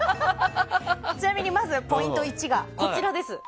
ちなみにまずポイント１がこちらです。